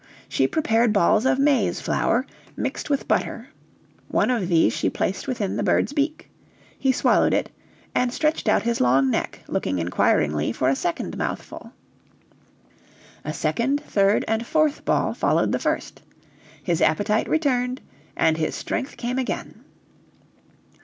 She prepared balls of maize flour, mixed with butter. One of these she placed within the bird's beak. He swallowed it, and stretched out his long neck, looking inquiringly for a second mouthful. A second, third, and fourth ball followed the first. His appetite returned, and his strength came again.